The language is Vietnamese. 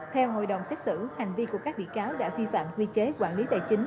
theo hội đồng xét xử hành vi của các bị cáo đã vi phạm quy chế quản lý tài chính